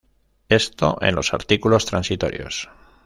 Esto en los artículos transitorios.